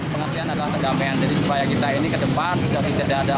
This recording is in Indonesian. pengasian adalah sedap